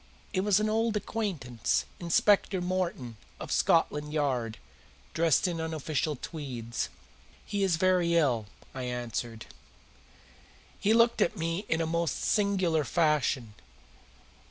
It was an old acquaintance, Inspector Morton, of Scotland Yard, dressed in unofficial tweeds. "He is very ill," I answered. He looked at me in a most singular fashion.